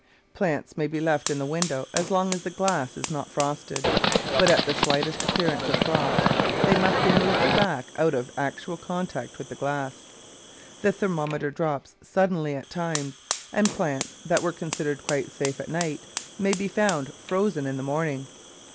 Plants may be left in the window as long as the glass is not frosted, but at the slightest appearance of frost they must be moved back out of actual contact with the glass. The thermometer drops suddenly at times, and plants that were considered quite safe at night may be found frozen in the morning.